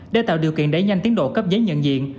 để tạo điều kiện đẩy nhanh tiến độ cấp giấy nhận diện